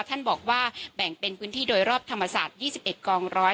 ท่านบอกว่าแบ่งเป็นพื้นที่โดยรอบธรรมศาสตร์๒๑กองร้อย